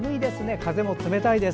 風が冷たいです。